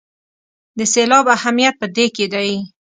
د سېلاب اهمیت په دې کې دی.